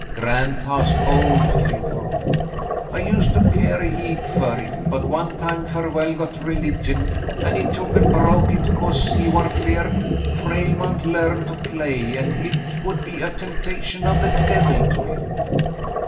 Gran'paw's old fiddle. I used to keer a heap fer hit, but one time Farwell got religion, an' he took an' broke hit 'cause he war 'feared David makes a Discovery 85 Frale mount larn to play an' hit would be a temptation of the devil to him."